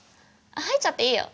入っちゃっていいよ。